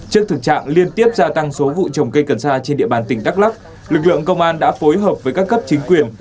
trước thực trạng liên tiếp gia tăng số vụ trồng cây cần sa trên địa bàn tỉnh đắk lắc lực lượng công an đã phối hợp với các cấp chính quyền